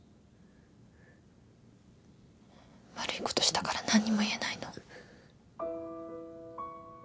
悪いことしたから何にも言えないの？